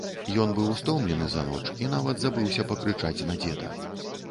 Ён быў стомлены за ноч і нават забыўся пакрычаць на дзеда.